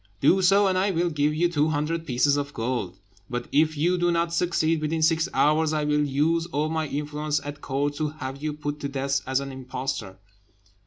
Do so, and I will give you two hundred pieces of gold. But if you do not succeed within six hours, I will use all my influence at court to have you put to death as an impostor."